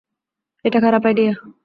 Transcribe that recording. এটা খারাপ আইডিয়া।